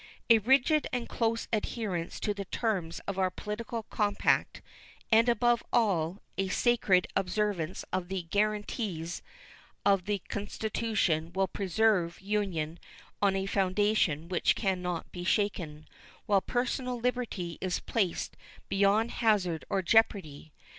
A rigid and close adherence to the terms of our political compact and, above all, a sacred observance of the guaranties of the Constitution will preserve union on a foundation which can not be shaken, while personal liberty is placed beyond hazard or jeopardy.